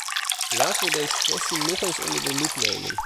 Laten we deze kwestie nog eens onder de loep nemen.